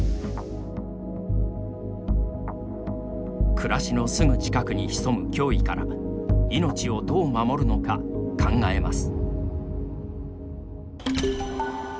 暮らしのすぐ近くに潜む脅威から命をどう守るのか、考えます。